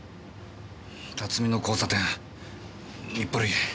辰巳の交差点日暮里。